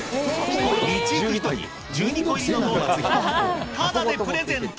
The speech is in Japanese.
道行く人に１２個入りのドーナツ１箱をただでプレゼント。